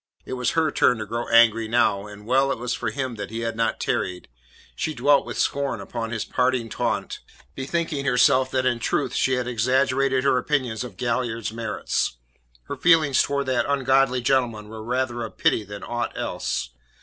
It was her turn to grow angry now, and well it was for him that he had not tarried. She dwelt with scorn upon his parting taunt, bethinking herself that in truth she had exaggerated her opinions of Galliard's merits. Her feelings towards that ungodly gentleman were rather of pity than aught else.